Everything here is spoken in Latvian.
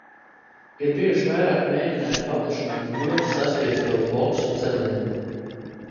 Ir bijuši vairāki mēģinājumi paplašināt ļoti saspiesto boksu celiņu.